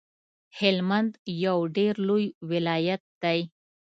هلمند یو ډیر لوی ولایت دی